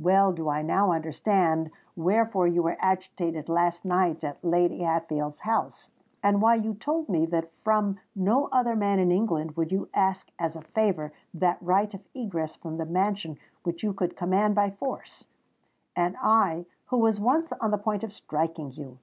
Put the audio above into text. well do I now understand wherefore you were agitated last night at Lady Hatfield's house—and why you told me that from no other man in England would you ask as a favour that right of egress from the mansion which you could command by force! And I, who was once on the point of striking you!